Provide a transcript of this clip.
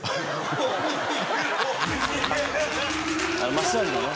マッサージのね。